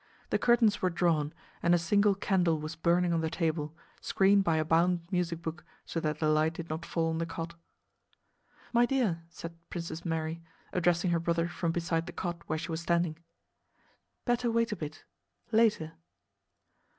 The curtains were drawn, and a single candle was burning on the table, screened by a bound music book so that the light did not fall on the cot. "My dear," said Princess Mary, addressing her brother from beside the cot where she was standing, "better wait a bit... later..."